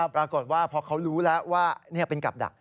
ปรากฏว่าพอเขารู้แล้วว่าเป็นกับดัก